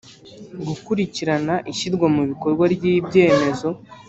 Gukurikirana ishyirwa mu bikorwa ry ibyemezo